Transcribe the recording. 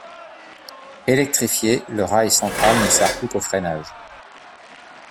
Électrifiée, le rail central ne sert plus qu'au freinage.